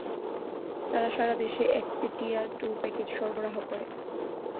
তারা সারা দেশে একচেটিয়া ট্যুর প্যাকেজ সরবরাহ করে।